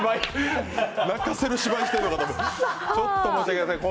泣かせる芝居してるのかと思った。